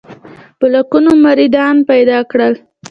په لکونو مریدان پیدا کړل.